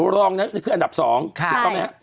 รองนี่คืออันดับสองใช่ไหมครับ